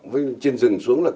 với trên rừng xuống là